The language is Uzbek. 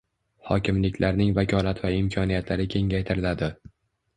hokimliklarning vakolat va imkoniyatlari kengaytiriladi.